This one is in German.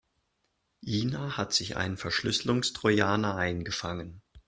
Ina hat sich einen Verschlüsselungstrojaner eingefangen.